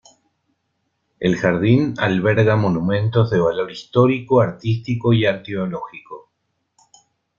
El jardín alberga monumentos de valor histórico, artístico y arqueológico,